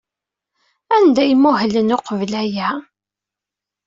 Anda ay muhlen uqbel aya?